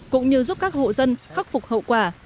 cũng như giúp các hộ dân khắc phục hậu quả